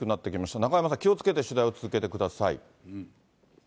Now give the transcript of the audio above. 中山さん、気をつけて取材を続けてください。